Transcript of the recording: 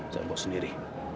saya bawa sendiri